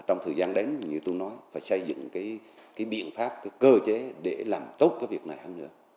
trong thời gian đến như tôi nói phải xây dựng cái biện pháp cái cơ chế để làm tốt cái việc này hơn nữa